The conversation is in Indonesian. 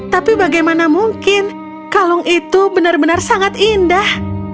tapi bagaimana mungkin kalung itu benar benar sangat indah